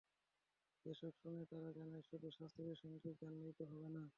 সেসব শুনে তারা জানায়, শুধু শাস্ত্রীয় সংগীত জানলেই তো হবে না।